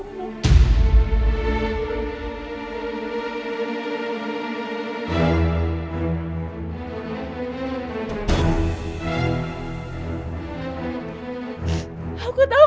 aku malu sama diri aku sendiri